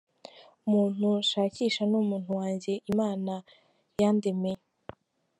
Umuntu nshakisha ni umuntu wanjye Imana yandemeye.